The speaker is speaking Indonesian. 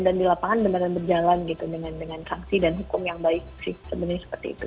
dan di lapangan benar benar berjalan gitu dengan sanksi dan hukum yang baik sih sebenarnya seperti itu